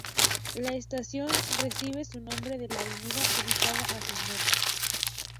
La estación recibe su nombre de la avenida ubicada hacia el norte.